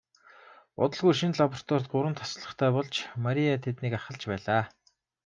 Удалгүй шинэ лабораторид гурван туслахтай болж Мария тэднийг ахалж байлаа.